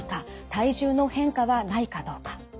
体重の変化はないかどうか。